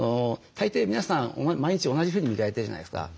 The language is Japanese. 大抵皆さん毎日同じふうに磨いてるじゃないですか。